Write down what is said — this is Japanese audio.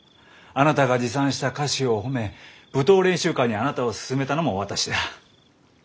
あなたが持参した菓子を褒め舞踏練習会にあなたを薦めたのも私だ。